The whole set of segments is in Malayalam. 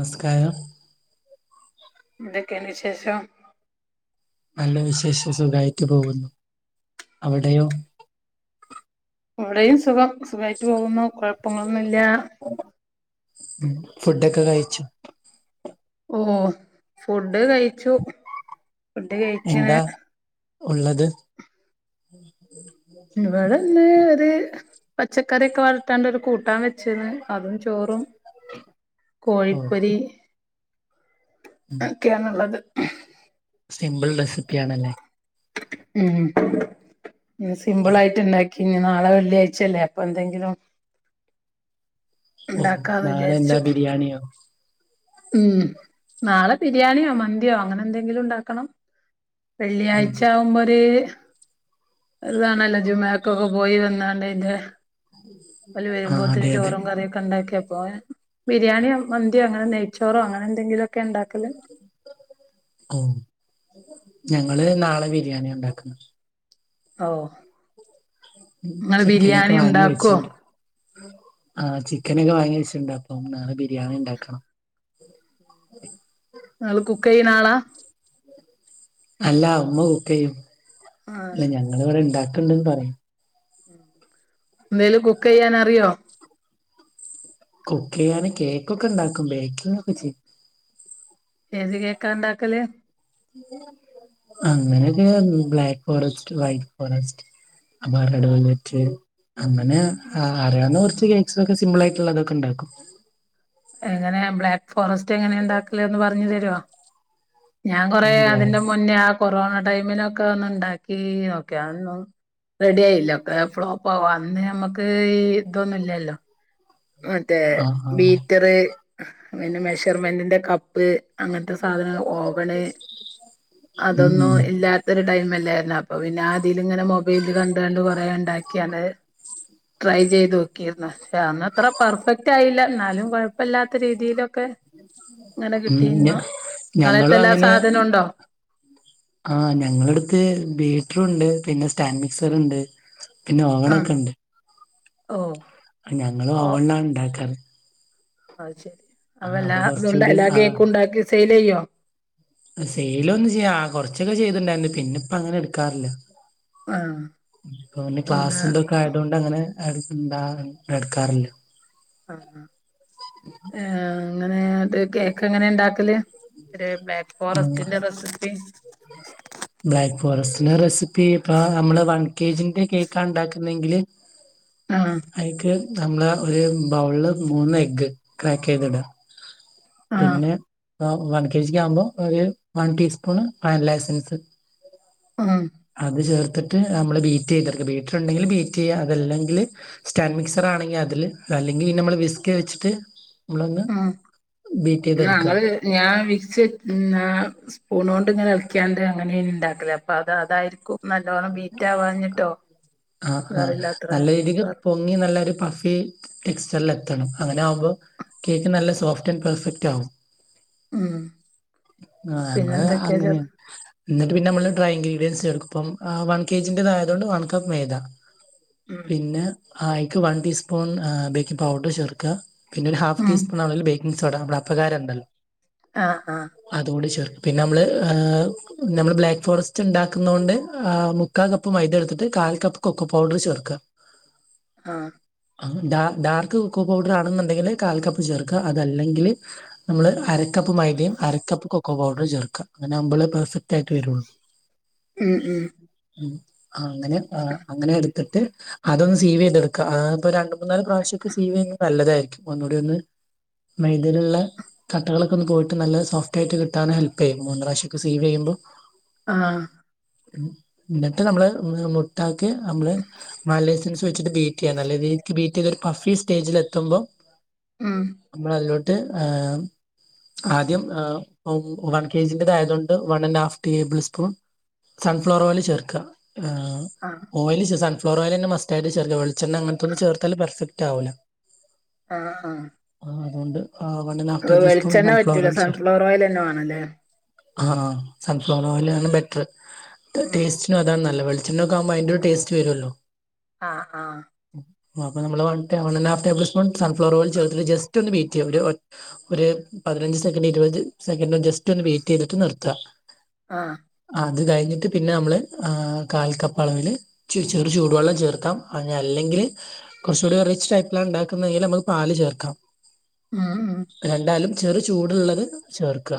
നിസ്കാരം ന്തെക്കെണ്ട് വിശേഷം നല്ല വിശേഷം സുഖായിട്ടു പോകുന്നു അവടെയോ? വടെയും സുഖം സുഖായിട്ട് പോകുന്നു കുഴപ്പങ്ങളൊന്നും ല്ല്യ ഫുഡൊക്കെ കഴിച്ചു ഓ ഫുഡ് കഴിച്ചു ഫുഡ് കഴിച്ചിന് എന്താ ഉള്ളത് ഇവിടെന്ന് ഒരു പച്ചക്കറി ഒക്കെ വളത്താണ്ട് ഒരു കൂട്ടാൻ വെചീന്ന് അതും ചോറും ഓ കോഴിപ്പൊരി ഉം ഒക്കെയാണുള്ളത് സിമ്പിൾ റെസിപ്പി ആണല്ലേ ഉം സിംമ്പിൾ ആയിട്ട് ഇണ്ടാ പിന്നെ നാളെ വെള്ളിയാഴ്ച്ചല്ലേ അപ്പൊ എന്തെങ്കിലും ഓ ഉണ്ടാക്കാന്ന് നാളെ വിചാരിച്ചു എന്താ ബിരിയാണിയോ ഉം നാളെ ബിരിയാണിയോ മന്തിയോ അങ്ങനെ എന്തെങ്കിലും ഇണ്ടാക്കണം ഉം വെള്ളിയാഴ്ച ആകുമ്പോ ഒര് ഒരു ഇതാണല്ലോ ജുമഅക്കൊക്കെ പോയി വന്നാണ്ട് അയ്ന്റെ ഓല് ആ വരുമ്പോത്തിന് അതെ അതെ ചോറും കറിയും ഒക്കെ ഉണ്ടാക്കിയെക്കൊ ബിരിയാണിയ മന്തിയോ അങ്ങന നെയ്ച്ചോറോ അങ്ങനെ എന്തെങ്കിലുംഒക്കെ ഇണ്ടാക്കല് ഓ ഞങ്ങള് നാളെ ബിരിയാണി ഉണ്ടാക്ക്ണ് ഓഹ് ചിക്കനൊക്കെ വാങ്ങി ഉണ്ടാക്കുവോ വെച്ചിണ്ട് ആ ചിക്കൻ ഒക്കെ വാങ്ങിവെച്ച്ണ്ട് അപ്പൊ നാളെ ബിരിയാണി ഉണ്ടാക്കണം നിങ്ങൾ കുക്ക് ചെയ്യുന്ന ആളാ അല്ല ഉമ്മ കുക്ക് ചെയ്യും ആഹ് അല്ല ഞങ്ങൾ ഇവിടെ ഇണ്ടാക്കണ്ടന്ന് പറയാ എന്തേലും കുക്ക് ചെയ്യാൻ അറിയോ കുക്ക് ചെയ്യാന് കേക്കൊക്കെ ഇണ്ടാക്കും ബേക്കിങ് ഒക്കെ ചെയ്യും ഏത് കേക്കാ ഇണ്ടാക്കല് അങ്ങനെയൊക്കെ ബ്ലാക്ക് ഫോറസ്റ്റ് വൈറ്റ് ഫോറസ്റ്റ് അപ്പൊ അരടോ ലറ്റ് അങ്ങനെ അറിയാവുന്ന കുറച്ച് കേക്സൊക്കെ സിമ്പിൾ ആയിട്ടുള്ള തൊക്കെ ഇണ്ടാക്കും. എങ്ങനെയാ ബ്ലാക്ക് ഫോറസ്റ്റ് എങ്ങനെ ഉണ്ടാക്കലെന്ന് പറഞ്ഞു തരോ ഞാൻ കൊറേ അതിന്റെ ആഹ് മുന്നേ ആ കൊറോണ ടൈമിനൊക്കെ ഒന്ന് ഉണ്ടാക്കി നോക്കി അതൊന്നും റെഡി ആയില്ല ഒക്കെ ഫ്ലോപ്പ് ആവാ അന്ന് നമ്മുക്ക് ഈ ഇതൊന്നും ഇല്ലല്ലോ മറ്റേ ആഹ് ബീറ്റർ പിന്നെ മെഷർമെന്റിന്റെ കപ്പ് അങ്ങനത്തെ സാധനം ഓവണ് ഉം അതൊന്നും ഉം ഇല്ലാ ത്തഒരു ടൈംല്ലായിരുന്നു അപ്പൊ പിന്നെ ആതില് ഇങ്ങനെ മൊബൈലിൽ കണ്ട് കാണ്ട് കൊറേ ഇണ്ടാക്കിയാണ്ട് ട്രൈ ചെയ്ത് നോക്കിയിരുന്നു പക്ഷെ അന്ന് അത്ര പെർഫെക്റ്റ് ആയില്ല എന്നാലും കൊഴ ഇപ്പല്ലാത്ത രീതിയിലൊക്കെ ഇങ്ങനെ ഉം ഞ കിട്ടിയിരുന്നു ഇങ്ങളെര്ത്ത് ഞങ്ങളും എല്ലാ സാധനം ഉണ്ടോ ആ ഞങ്ങള അടുത്ത് ബീറ്ററുണ്ട് പിന്നെ സ്റ്റാൻഡ് മിക്സർ ഉണ്ട് പിന്നെ ആ ഓവണൊക്കെ ഉണ്ട് ഓ ഞങ്ങളും ഓ ഓവണില ഉണ്ടാക്കാറ് അത് ശെരി അപ്പൊ ആഹ് എല്ലാം അത്ണ്ടാ കുറച്ചുകൂടി എല്ലാ കേക്ക് ഉണ്ടാക്കി സെയിൽ ചെയ്യോ സെയില് ഒന്നും ചെയ്യാ കൊറച്ചൊക്കെ ചെയ്തിണ്ടായിരുന്നു പിന്നെ ഇപ്പ അങ്ങനെ എടുക്കാറില്ല ആ ആഹ് പിന്നെ എന്താ ക്ലാസ്ന്തൊക്കെ ആയതൊണ്ട് അങ്ങനെ ന്താ എടുക്കാറില്ല. ആ ആ ഏഹ് അങ്ങനെ ഇത് കേക്ക് എങ്ങനെ ഇണ്ടാക്കല് ഒരു ബ്ലാക്ക് ഉം. ഫോറസ്റ്റിന്റെ റെസിപ്പി ബ്ലാക്ക് ഫോറസ്റ്റെ റെസിപ്പി ഇപ്പ നമ്മള് വൺ കെ ജിന്റെ കേക്കാണ് ഉണ്ടാക്കുന്നെങ്കില് ആഹ് അയിക്ക് നമ്മൾ ഒരു ബൗളിൽ മൂന്ന് എഗ്ഗ് ക്രാക്ക് ചെയ്തിടുക ആഹ് പിന്നെ വൺ കെ ജിക്ക് ആകുമ്പോ ഒരു വൺ ടീസ്പൂൺ വാനില എസൻസ് ഉം അത് ചേർത്തിട്ട് നമ്മള് ബീറ്റ് ചെയ്ത എട്ക്ക ബീറ്റിറ് ഇണ്ടെങ്കിൽ ബീറ്റ് ചെയ്യാം അതല്ലെങ്കില് സ്റ്റാൻഡ് മിക്സറാണെങ്കി അതില് അല്ലെങ്കി നമ്മള് വിസ്ക് വെച്ചിട്ട് നമ്മളൊന്ന് ആഹ് ആഹ് ബീറ്റ് ചെയ്തെടുക്കുക ഞങ്ങളെ ഞാൻ വിച്ച് ഉം ആഹ് സ്പൂണൊണ്ട് ഇങ്ങനെ എൾക്കീ യാണ്ട് അങ്ങനേ നി ഇണ്ടാക്കല്. അപ്പൊ അത് അതായിരിക്കും നല്ലോണം ബീറ്റാവാഞ്ഞിട്ടോ അറിയില്ല അത്രെ ഇഞ്ഞി നല്ലൊരു പഫി ടെക്സ്ചറിൽ എത്തണം. അങ്ങനെ ആവുമ്പോ കേക്ക് നല്ല സോഫ്റ്റ് ആൻഡ് പെർഫക്റ്റാവും. ഉം. ആ പിന്നെ ഞങ്ങള് എന്തൊക്കെയാ അങ്ങനെ ചേർ ഇന്നട്ട് പിന്നെ നമ്മള് ഡ്രൈ ഇൻഗ്രീഡിയൻസ് ചേർക്കും. ഇപ്പം ആ വൺ കെജിന്റെതായതോണ്ട് വൺ കപ്പ് മൈദ. മ് പിന്നെ ആ ആയിക്ക് വൺ ടീസ്പൂൺ ആഹ് ബേക്കിംഗ് പൗഡറ് ചേർക്ക. പിന്നെ ഒരു ഹാഫ് ഉം ടീസ്പൂൺ അളവിൽ ബേ ക്കിംഗ് സോഡാ മ്മളെ അപ്പക്കാരം ണ്ടല്ലേ ആഹ് ആ അതുകൂടി ചേർക്ക പിന്നെ നമ്മള് ഏ ഹ് നമ്മള് ബ്ലാക്ക് ഫോറസ്റ്റ് ഉണ്ടാക്കുന്നൊണ്ട് ആഹ് മുക്കാൽ കപ്പ് മൈദ എടുത്തിട്ട് കാൽ കപ്പ് കൊക്കോ പൗഡർ ചേർക്ക. ആഹ്. ഡാ ഡാർക്ക് കൊക്കോ പൗഡറാണെന്നുണ്ടെങ്കില് കാൽ കപ്പ് ചേർക്ക അതല്ലെങ്കില് നമ്മള് അരക്കപ്പ് മൈ അരക്കപ്പ് കൊക്കോ പൗഡറ് ചേർക്കാ. അങ്ങനെയാകുമ്പള് പെർഫെക്റ്റായിട്ട് വരൊള്ളൂ. ഉം ഉം. ഉം അങ്ങനെ ആഹ് അങ്ങനെ എടുത്തിട്ട് അതൊന്ന് സീവീതെടുക്ക. അതാകുമ്പോ രണ്ട് മൂന്നാല് പ്രാവശ്യോക്ക സീവിയ്യുന്നത് നല്ലതായിരിക്കും. ഒന്നൂടിയൊന്ന് മൈദീല്ള്ള കട്ടകളൊക്കൊന്ന് പോയിട്ട് നല്ല സോഫ്റ്റായിട്ട് കിട്ടാന് ഹെൽപ്പയ്യും. മൂന്ന് റാശ്യക്കൊ സീവീയ്യുമ്പോ ആഹ് ഇന്നട്ട് നമ്മള് ഉം മുട്ടാക്ക്‌ നമ്മള് മാലേസൻസ് വെച്ചിട്ട് ബ്റ്റ്യ്യാ. നല്ലരീതിക്ക് ബീറ്റീത് ഒരു പഫി സ്റ്റേജിലെത്തുമ്പോ ഉം ഞമ്മളതിലോട്ട് ആഹ് ആദ്യം ആഹ് ഉം വൺ കെജിന്റെതായതോണ്ട് one and half table spoon sunflower oil ചേർക്ക. ആഹ് ഓയല് സ സൺഫ്ലവറോയലന്നെ മസ്റ്റായിട്ട് ചേർക്ക. വെളിച്ചെണ്ണ അങ്ങനത്തൊന്നും ചേർത്താല് പെർഫക്റ്റാവൂല്ല. ആ ആഹ് ആഹ് അതോണ്ട് ആഹ് one and half tablespoon sunflower oil ചേർ സൺഫ്ലവറോയിലന്നെേ വാണല്ലേ? ആഹ് സൺഫ്ലവറോയിലാണ് ബെറ്റർ. ഉം ടേസ്റ്റ് നും അതാണ് നല്ലത്. വെളിച്ചെണ്ണോക്കെ ആകുമ്പോ അയ്ന്റൊരു ടേസ്റ്റ് വരോല്ലോ. ആ ആ. ആഹ് അപ്പൊ നമ്മള് one K one and half table spoon sunflower oil ചേർത്തിട്ട് ജസ്റ്റൊന്ന് ബീറ്റ്യ്യ. ഒര് ഒ ഒര് പതിനഞ്ച് സെക്കൻഡ് ഇരുപത് സെക്കൻഡോ ജസ്റ്റോന്ന് ബീറ്റ് ചെയ്തിട്ട് നിർത്താ. ആഹ്. അത് കഴിഞ്ഞിട്ട് പിന്നെ നമ്മള് ആ കാൽക്കപ്പ അളവില് ചെ ചെറു ചൂടുവെള്ളം ചേർക്കാം. ഇനി അല്ലെങ്കില് കൊർച്ചുകൂടി ഒരു റിച്ച് ടൈപ്പിലാണ് ണ്ടാക്കുന്ന ങ്കില് ഞമ്മക്ക് പാല് ചേർക്കാം. ഉം ഉം രണ്ടായാലും ചെറു ചൂടുള്ളത് ചേർക്ക.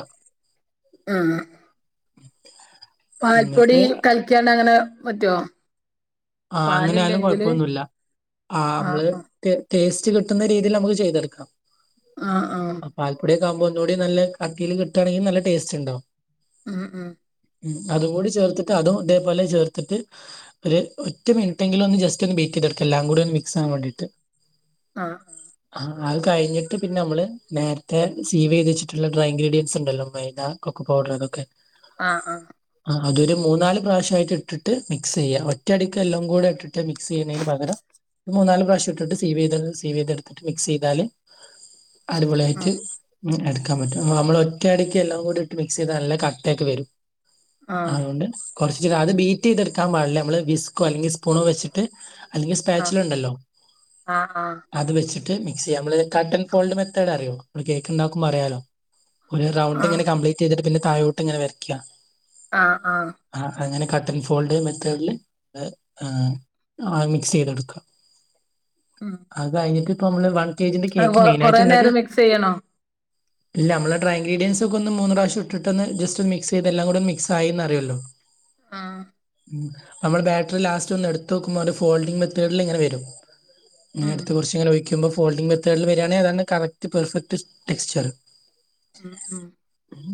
ആഹ്. [inaudible] പൽപ്പൊടി എന്നിട്ട് കൽക്കിയാണ്ട് അങ്ങനെ പറ്റോ? ആ അങ്ങനെ ആയാലും കൊഴപ്പൊന്നുമില്ല. ആ ആഹ് നമ്മള് ടൊ ടേസ്റ്റ് കിട്ടുന്ന രീതിയിൽ നമുക്ക് ചെയ്തെടുക്കാം. ആഹ് ആഹ് ആ പൽപ്പൊക്കെുമ്പോ ഒ കൂടി നല്ല കട്ടിയിൽ കിട്ടുയനങ്കിൽ നല്ല ടേസ്റ്റ് ഉണ്ടാവും. ആഹ് ആഹ് ഉം അതുകൂടി ചേർത്തിട്ട് അതും ഇതേപോലെ ചേർത്തിട്ട് ഒര് ഒറ്റ മിനിറ്റ് എങ്കിലും ഒന്ന് ചെസ്സ് ഒന്ന് ബേറ്റ് ചെയ്തെടുക്ക എല്ലാം കൂടി ഒന്ന് മിസ് ആവാൻ വേണ്ടിട്ട്. ആഹ് ആ അത് കഴിഞ്ഞിട്ട് പിന്നെ നമ്മള് നേരത്തെ സീവ് ചെയ്തിച്ചിട്ടുള്ള ഡ്രൈ ഇൻഗ്രീഡിയൻസ് ഉണ്ടല്ലോ മൈദ കൊക്കൊ പൗഡർ അതൊക്കെ ആഹ് ആഹ് ആ അതൊരു മൂന്നാല് പ്രാവശ്യമായിട്ട് ഇട്ടിട്ട് മിക്സ് ചെയ്യാം. ഒറ്റടിക്ക് എല്ലാം കൂടെ ഇട്ടിട്ട് മിക്സ് ചെയ്യുന്നതിന് പകരം മൂന്നാല് പ്രാവശ്യം ഇട്ടിട്ട് സീവ് ചെയ്ത സീവ് ചെയ്തെടുത്തിട്ട് മിക്സ് ചെയ്താല് അടിപൊളിയായിട്ട് ആഹ് ഉം എടുക്കാൻ പറ്റും അ നമ്മള് ഒറ്റ അടിക്ക് എല്ലാം കൂടി ഇട്ട് മിക്സ് ചെയ്താൽ. നല്ല കട്ടക്കെ വരും. ആഹ് അതുകൊണ്ട് കൊറച്ച് അത് ബീറ്റ് ചെയ്തെടുക്കാൻ പാടില്ല. നമ്മൾ വിസ്കോ അല്ലെങ്കിൽ സ്പൂണോ വെച്ചിട്ട്. അല്ലെങ്കിൽ ആഹ് ആഹ് സ്പാച്ചില ഉണ്ടല്ലോ. ആഹ് അത് വെച്ചിട്ട് മിക്സ് ചെയ്യ നമ്മത് കട്ട്ൻഡ് ഫോൾട് മെത്തേഡ് അറിയോ കേക്ക്ണ്ടുമ്പോൾ അറിയാലോ? ഒരു റൗണ്ട് ആഹ് ഇങ്ങനെ കംപ്ലീറ്റ് ചെയ്തിട്ട് പിന്നെ താഴോട്ട് ഇങ്ങനെ വരയ്ക്ക. ആഹ് ആഹ് ആഹ് അങ്ങനെ കട്ട് ആൻ ഫോൾഡ് മെത്തേഡില്. ഹ് ആ മിക്സ് ചെയ്തെടുക്കുക. ഉം അത് കഴിട്ട് ഇപ്പ നമ്മള് വൺ കെ ജിന്റെ അ കേക്ക് കൊ മെയിൻ കൊറ ആയിട്ട് ഉണ്ടാക്കുക നേരം മിക്സ് ചെയ്യണോ? ഇല്ല നമ്മുടെ ഡ്ര ഇൻ്രഡിയൻസ് ഒക്കെ ഒന്ന് മൂന്ന് പ്രാവശ്യ ഇട്ട്ന്ന് ജസ്റ്റ് മക്സ് ചെയ്തല്ലാം കൂടെ മിക് ആന്ന് അിയുമല്ലോ? ആഹ് നമ്മള് ബാറ്ററി ലാസ്റ്റ് ഒന്ന് എടുത്ത് നോക്കുമ്പോ ഒരു ഫോൾഡിംഗ് മെത്തേഡിൽ എങ്ങനെ വരും. ഇങ്ങനെ ഉം അടുത്ത് കുറച്ച്ങ്ങനെ ഒഴിക്കുമ്പോ ഫോൾഡിംഗ് മെത്തേഡിൽ വരിയാണെങ്കി അതാണ് കറക് പെർഫെക്ട് ടെക്സ്ചർ. ആഹ് ആഹ്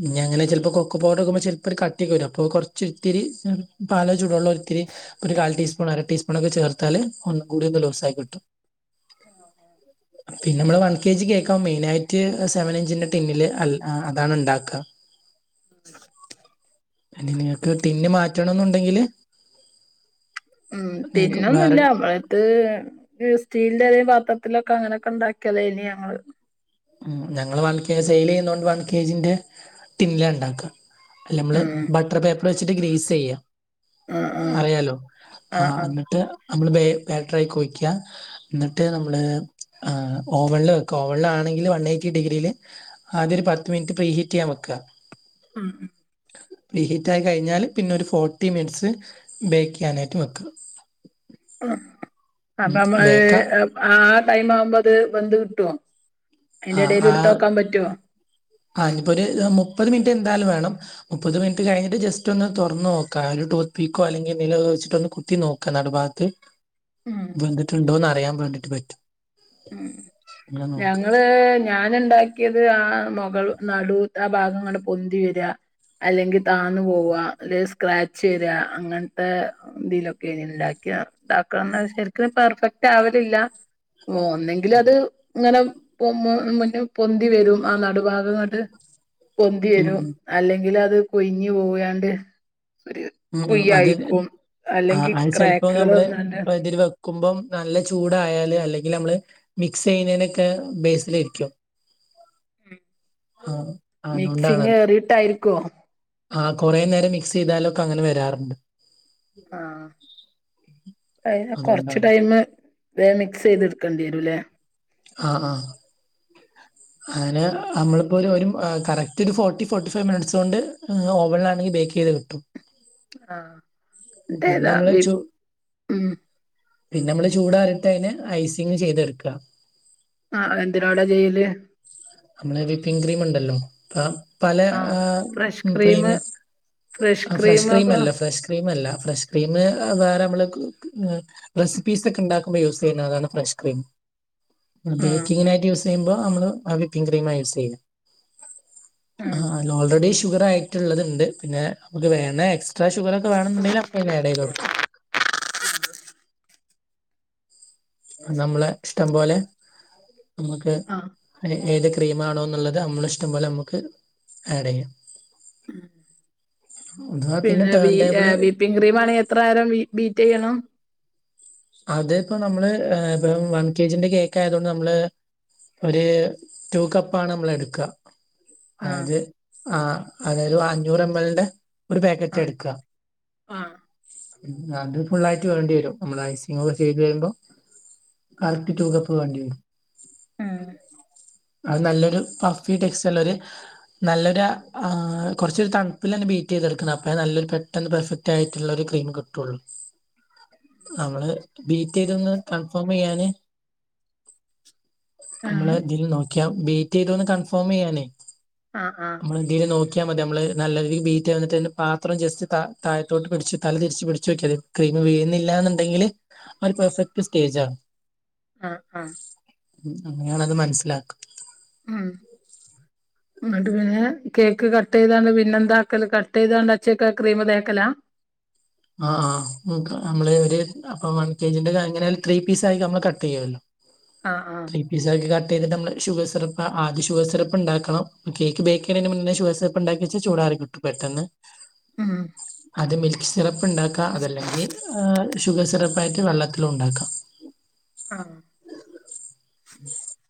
ഇനി അങ്ങനെ ചിലപ്പോ കൊക്കോ പൗഡർഹകുംബോ ചിലപ്പോ ഒരു കട്ടിക്ക് വും അപ്പൊ കൊറച്ച് ഇത്തിരി പാല് ചൂടുള്ള ഇത്തിരി ഒരു കാൽ ടീസ്പൂൺ, അര ടസ്പൂൺ, ഒക്കെ ചേർത്താല് ഒന്നും കൂടി ഒന്ന് ലുസായി കിട്ടും. [inaudible] പിന്നെ നമ്മള് വൺ കെ ജി കേൾക്കാ മെയിനആയിട്ട്. സെവൻ ഇഞ്ചിന്റെ ടിന്നില് അല്ല അതാണ് ഉണ്ടാക്ക. [inaudible] അനി നിങ്ങക്ക് ടിന് മാറ്റണം എന്നുണ്ടെങ്കില് ഉം വേറെ തിന്നൊന്നുമില്ല അവള് ഇത് സ്റ്റീലിന്റെതയും പാത്രത്തിലൊക്കെ അങ്ങനെയൊക്കെ ഉണ്ടാക്കിയത ഇനി ഞങ്ങള് ഉഉം ഞങ്ങൾ വൺ കെ ജി സെയിൽ ചെയ്യതണ്ട് വൺ കജിന്റെ ടിന്നില്ണ് ഉണ്ടാക്കാ. നമ്മള് ഉം ബട്ടർ പേപ്പർ വെച്ചിട്ട് ഗ്രിസ് ചെയ്യ. ആഹ് ആഹ് അറിയാലോ ആ ആഹ് ആഹ് എന്നിട്ട് നമ്മള് ബേറ്റർയി കുഴിക്കുക. എന്നിട്ട് നമ്മള് ഓവനില് വെക്ക ഓവനില് വൺ എയ്റ്റി ഡിഗ്രിയില് ആദ്യ ഒരു പത്ത് മിനിറ്റ് പോ ഹീറ്റ് ചെയ്യാൻ വെക്ക. ഉം ഉം പി ഹീറ്റ് ആയി കഴിഞ്ഞാൽ പിന്നെ ഒരു ഫോർട്ടി മിനിറ്റ്സ് ബേക്ക് ചെയ്യാനായിട്ട് വയ്ക്ക. ഉം അപ്പൊമ്മള് ബേക്ക ആ ടൈം ആവുമ്പോ അത് വന്ത് കിട്ടോ? ആ അതിന്റെ ഇടയിൽ ആ എടുത്ത് നോക്കാൻ പറ്റുവോ ആ ഇനിപ്പോ ഒരു മുപ്പത് മിനിറ്റ് എന്തായാലും വേണം. മുപ്പത് മിനിറ്റ് കഴിഞ്ഞിട്ട് ജസ്റ്റ് ഒന്ന് തുറന്നന്ന് നോക്ക. ഒരു ടൂത്ത് പിക്കോ അല്ലെങ്കിൽ നില വച്ചിട്ട് ഒന്ന് കുത്തി നോക്കാം നടു ഭാഗത്ത് ആഹ് കണ്ടിട്ടുണ്ടോന്ന് അറിയാൻ വേണ്ടിട്ട് പറ്റും ഉം അങ്ങനെ നോക്കുക ഞങ്ങള് ഞാനുണ്ടാക്കിയത് ആഹ് മുഗൾ നടു ആഹ് ഭാഗംങ്ങണ്ട് പൊന്തി വര്യ അല്ലെങ്കിൽ താഴ്ന്നു പോവാ അല്ലേൽ സ്ക്രാച്ച് വരിയാ അങ്ങൻത്തെ എന്തിലൊക്കെ ഉണ്ടാക്കിയ ഉണ്ടാക്കണം ശരിക്കും പെർഫെക്റ്റ് ആവലില്ല ഓ ഒന്നെങ്കിൽ അത് അങ്ങനെ പൊ മുന്നെ പൊന്തി വരും ആ നടുഭാഗങ്ങട്ട് പൊന്തി ഉം വരും ഉം അല്ലെങ്കിൽ അത് കൊഴിഞ്ഞു പോയാണ്ട് ഒരു ഉം അത് തന്നെ കുയ്യായിക്കും ആ അല്ലെങ്കിൽ അത് ചിലപ്പോ ക്രാക്കുകൾ നമ്മള് വന്നാണ്ട് ഇപ്പ ഇതിര് വെ ക്കുമ്പം നല്ല ചൂടായാല് അല്ലെങ്കിൽ നമ്മള് മിക്സ് ചെയ്യുന്നേതിനൊക്കെ ബേസില ഇരിക്കും [unintelligible] ആഹ് മിക്സിങ് അതുകൊണ്ടാണത്. ഏറിയിട്ടായിരിക്കോ ആഹ് കുറെ നേരം മിക്സ് ചെയ്താലൊക്കെ അങ്ങനെ വരാറുണ്ട് ആഹ് അയിന് കൊറച്ച് അതുകൊണ്ടാണ്. ടൈമ് വേ മിക്സ് ചെയ്തെടുക്കണ്ടി വരും അല്ലേ ആഹ് ആഹ് ഉ അങ്ങനെ നമ്മളിപ്പോൾ ഒരു കറക്റ്റ് ഒരു ഫോർട്ടി ഫോർട്ടി ഫൈവ് മിനിറ്റ്സ് കൊണ്ട് ഓവനിലാണെങ്കിൽ ബേക്ക് ചെയ്ത് കിട്ടും ആഹ് പിന്നെ അതേതാ നമ്മള് വി ചൂ ഉം പിന്നെ നമ്മള് ചൂടാറിട്ട് അതിന് ഐസിങ്ങ് ചെയ്തെടുക്ക ആഹ് ആഹ് എത്തിനാട ചെയല് നമ്മളെ വിപിങ് ക്രീം ഉണ്ടല്ലോ അ പല ആഹ് fresh cream premium fresh cream അല്ലേ ഫ്രഷ് ക്രിം ക്രീമല്ല ഫ്രഷ് ക്രീം വേറെ നമ്മള് കൂ ക് റെസിപ്പീസ് ഒക്കെ ഉണ്ടാക്കുമ്പോൾ യൂസ് ചെയ്യുന്നതാണ് ഫ്രഷ് ക്രീം ആഹ് ബേക്കിങ്ങിനായിട്ട് യൂസ് ചെയ്യുമ്പോ നമ്മള് വിപ്പിങ് ക്രീമാ യൂസ് ചെയ്യുന്നേ ആഹ് അയില് ഓൾറെഡി ഷുഗറായി ട്ടുള്ളത്ണ്ട് പിന്നെ നമക്ക് വേണേ എക്സ്ട്രാ ഷുഗർക്കെ വേണമുണ്ടെങ്കിൽ നമുക്ക് ആഡ് ചെയ്ത് കൊടുക്കാം ആ നമ്മളെ ഇഷ്ടം പോലെ നമ്മുക്ക് ആഹ് ഏത് ക്രീമാ ആണോ എന്നുള്ളത് നമ്മൾ ഇഷ്ടം പോലെ നമുക്ക് ആഡ് ചെയ്യാം ഉം അഥവാ പിന്നെ വി ടേൺ ടേബിള് ആഹ് വിപ്പിങ് ക്രീം ആണെങ്കിൽ എത്ര നേരം ബി ബീറ്റ് യ്യണം അത് ഇപ്പോ നമ്മള് ഇപ്പം വൺ കെ ജിന്റെ കേക്ക് ആയത് കൊണ്ട് നമ്മള് ഒരു ടു കപ്പാണ് നമ്മൾ എടുക്കുക ആഹ് അതായത് ആ അതായത് അഞ്ഞൂറ് എം എൽന്റെ ഒരു പാക്കറ്റ് ആഹ് എടുക്കുക ആഹ് അത് ഫുള്ളായിട്ട് വേണ്ടി വരും നമ്മള ഐസ നിങ്ങൾ ചെയ്ത് കഴിയുമ്പോ കറക്റ്റ് റ്റൂകപ്പ് വേണ്ടി വരും ഉം അത് നല്ലൊരു പഫി ടെക്സ്റ്റൈൽ ഒരു നല്ലൊരു കുറച്ചൊരു തണുപ്പിൽ തന്നെ ബീറ്റ് ചെയ്തെടുക്കുന്നത് അപ്പ നല്ലൊരു പ്ര തന്നെ പെർെഫറ്റ് ആയിട്ടുള്ള ഒരു ക്രീം കിട്ടുള്ളൂ [unintelligible] [unintelligible] ഡീറ്റെയിലൊന്ന് കൺഫോം ചെയ്യാന് ആഹ് നമ്മളെ ഇതിൽ നോ ബീറ്റ് ചെയ്തോന്ന് കൺഫോം ചെയ്യാനേ ആഹ് ആഹ് നമ്മൾ എന്ത നോക്കിയാ മതി നമ്മള് നല്ല രീതി ബീറ്റ് വന്നിട്ട്ന്നെ പാത്രം ജസ്റ്റ് താ താഴത്തോട്ട് പിടിച്ച് തല തിരിച്ച് പിടിച്ച് നോക്കിയ മതി ക്രീം വീഴുന്നില്ല എന്നുണ്ടെങ്കിൽ ഒരു പെർഫെക്ട് സ്റ്റേജണ് ആ ആ ഉ [unintelligible] മനസ്സിലാക്കും ഉം എന്നട്ട് പിന്നെ കേക്ക് കട്ട് ചെയ്തണ്ട് പിന്നെ എന്താക്കല് കട്ട് ചെയ്താണ്ട് വച്ച ക്രീം തേക്കലാ? ആഹ് ആഹ് നമ്മള് ഒരു അപ്പൊ വൺ കെ ജിന്റെ എങ്ങനയിലും ത്രീ പീസ് ആയി നമ്മൾ കട്ട് ചെയ്യുവല്ലോ. ആഹ് ആഹ്. പിസ്സക്കി കട്ട് ചെയ്തിട്ട് നമ്മൾ ഷുഗർസിറപ്പ് ആ ഷുഗർ സ്യറപ്പ് ഉണ്ടാക്കണം കേക്ക് ബേക്ക് ചെയണന് മുന്നേ ഷുഗർസ്യറപ്പ് ഉണ്ടാക്കിവച്ച ചൂടാറി കിട്ടും പെട്ടെന്ന്. ഉം. അത് മിൽക്ക് സിറപ്പ് ഉണ്ടാക്കാം അതല്ലെങ്കിൽ ഹാ ഷുഗർ സിറപ്പ ആയിട്ട് വെള്ളത്തിലും ഉണ്ടാക്കാം. ആഹ്. [inaudible]